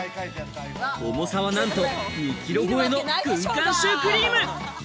重さはなんと２キロ超えの軍艦シュークリーム。